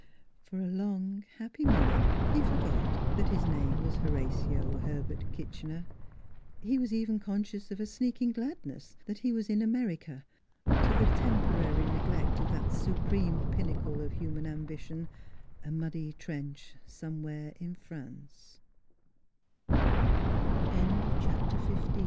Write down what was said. For a long, happy minute he forgot that his name was Horatio Herbert Kitchener. He was even conscious of a sneaking gladness that he was in America, to the temporary neglect of that su preme pinnacle of human ambition: a muddy trenc